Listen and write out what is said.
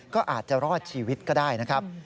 ก็อาจจะรอดชีวิตก็ได้นะครับ